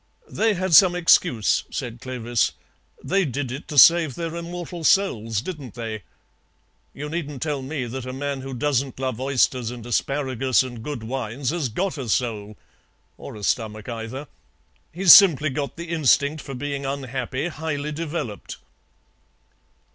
"They had some excuse," said Clovis. "They did it to save their immortal souls, didn't they? You needn't tell me that a man who doesn't love oysters and asparagus and good wines has got a soul, or a stomach either. He's simply got the instinct for being unhappy highly developed."